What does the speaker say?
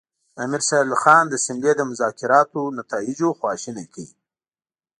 امیر شېر علي خان د سیملې د مذاکراتو نتایج خواشیني کړل.